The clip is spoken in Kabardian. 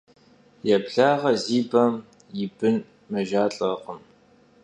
Yêblağe zi bem yi bın mejjalh'erkhım.